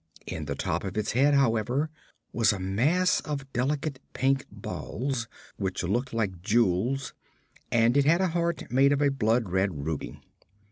In the top of its head, however, was a mass of delicate pink balls which looked like jewels, and it had a heart made of a blood red ruby.